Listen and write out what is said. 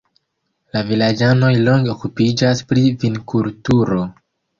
La vilaĝanoj longe okupiĝas pri vinkulturo.